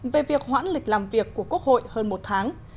về việc hoãn lịch làm việc của quốc hội hơn một tháng